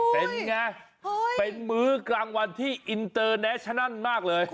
เป็นไงเป็นมื้อกลางวันที่อินเตอร์แนชั่นั่นมากเลย